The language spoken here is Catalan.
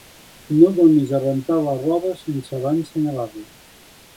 No donis a rentar la roba sense abans senyalar-la.